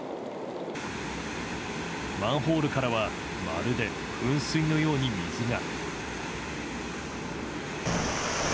マンホールからはまるで噴水のように水が。